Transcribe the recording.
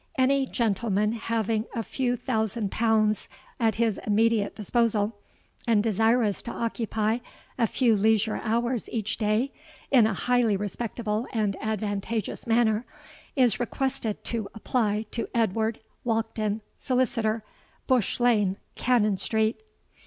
—Any gentleman having a few thousand pounds at his immediate disposal, and desirous to occupy a few leisure hours each day in a highly respectable and advantageous manner, is requested to apply to Edward Walkden, Solicitor, Bush Lane, Cannon Street.'